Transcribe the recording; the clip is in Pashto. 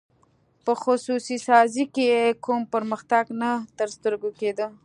په خصوصي سازۍ کې کوم پرمختګ نه تر سترګو کېده.